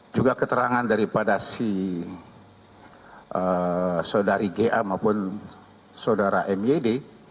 juga keterangan daripada si saudari ga maupun saudara myd